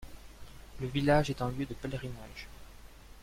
Le village est un lieu de pèlerinage.